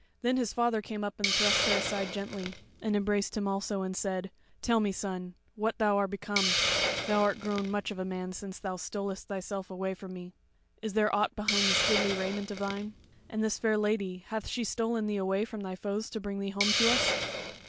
Then his father came up and thrust her aside gently and embraced him also, and said: "Tell me, son, what thou are become? Thou art grown much of a man since thou stolest thyself away from me. Is there aught behind this goodly raiment of thine? And this fair lady, hath she stolen thee away from thy foes to bring thee home to us?"